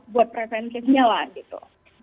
buat preventifnya lah gitu